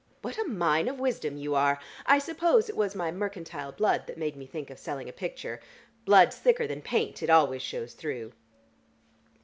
What a mine of wisdom you are! I suppose it was my mercantile blood that made me think of selling a picture. Blood's thicker than paint.... It always shows through."